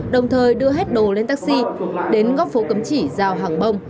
đồng thời đưa hết đồ lên taxi đến ngõ phố cấm chỉ giao hàng bông